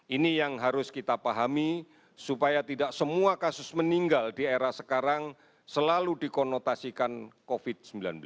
ini yang harus kita pahami supaya tidak semua kasus meninggal di era sekarang selalu dikonotasikan covid sembilan belas